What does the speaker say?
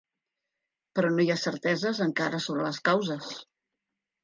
Però no hi ha certeses encara sobre les causes.